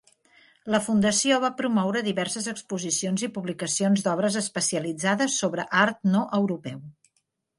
La fundació va promoure diverses exposicions i publicacions d'obres especialitzades sobre art no europeu.